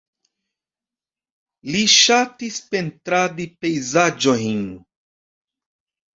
Li ŝatis pentradi pejzaĝojn.